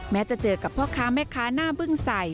จะเจอกับพ่อค้าแม่ค้าหน้าบึ้งใส่